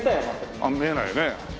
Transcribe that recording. ああ見えないね。